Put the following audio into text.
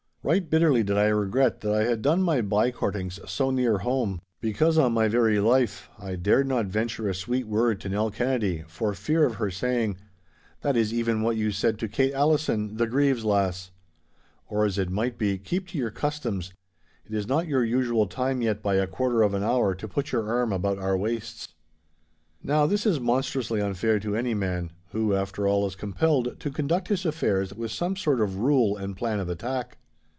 Right bitterly did I regret that I had done my by courtings so near home; because, on my very life I dared not venture a sweet word to Nell Kennedy for fear of her saying, 'That is even what you said to Kate Allison, the Grieve's lass.' Or as it might, 'Keep to your customs. It is not your usual time yet by a quarter of an hour to put your arm about our waists.' Now this is monstrously unfair to any man, who, after all, is compelled to conduct his affairs with some sort of rule and plan of attack.